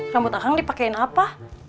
rambut akang dipakein apa